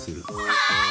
はい！